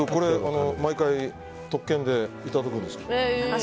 毎回、特権でいただくんですけど。